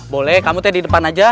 boleh kamu teh di depan aja